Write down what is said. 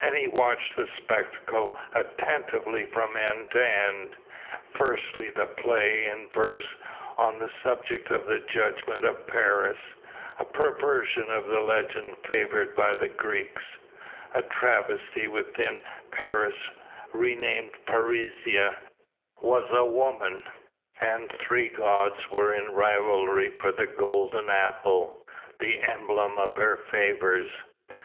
And he watched the spectacle attentively from end to end. Firstly the play in verse on the subject of the judgment of Paris, a perversion of the legend favoured by the Greeks a travesty wherein Paris renamed Parisia was a woman, and three gods were in rivalry for the golden apple, the emblem of her favours.